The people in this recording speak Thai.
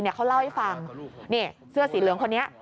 ที่เขาเล่าให้ฟังเนี่ยเสื้อสีเหลืองคนเนี่ย